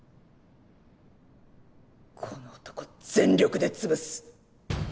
この男全力で潰す。